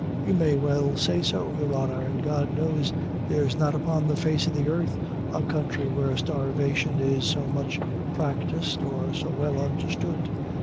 "You may well say so, your honor, an' God knows, there's not upon the face of the arth a counthry where starvation is so much practised, or so well understood.